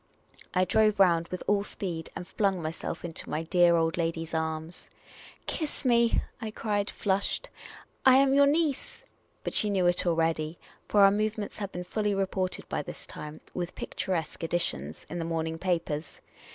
I drove round with all speed, and flung myself into my dear old lady's arms. " Kiss me," I cried, flushed. " I am your niece !" But she knew it already, for our movements had been fully re ported by this time (with picturesque additions) in the morning papers.